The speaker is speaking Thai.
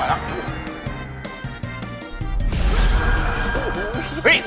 มาแล้ว